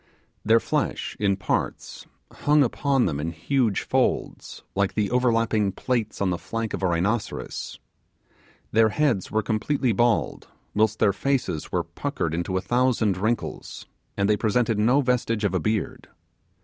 Their flesh, in parts, hung upon them in huge folds, like the overlapping plaits on the flank of a rhinoceros. Their heads were completely bald, whilst their faces were puckered into a thousand wrinkles, and they presented no vestige of a beard.